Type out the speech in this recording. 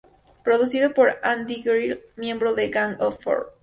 Producido por Andy Gill, miembro de Gang of Four.